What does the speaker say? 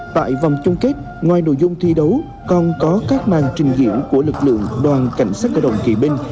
tại vòng chung kết ngoài nội dung thi đấu còn có các màn trình diễn của lực lượng đoàn cảnh sát cơ động kỵ binh